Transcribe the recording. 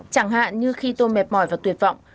chẳng hạn như khi tôi mệt mỏi và tuyệt vọng